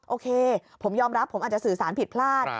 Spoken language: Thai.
โอเคผมยอมรับผมอาจจะสื่อสารผิดพลาด